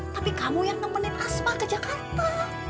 tapi kamu yang nemenin asma ke jakarta